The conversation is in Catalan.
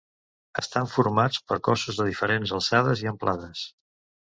Estan formats per cossos de diferents alçades i amplades.